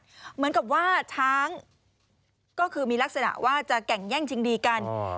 เหมือนกับว่าช้างก็คือมีลักษณะว่าจะแก่งแย่งชิงดีกัน